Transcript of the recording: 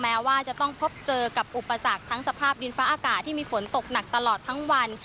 แม้ว่าจะต้องพบเจอกับอุปสรรคทั้งสภาพดินฟ้าอากาศที่มีฝนตกหนักตลอดทั้งวัน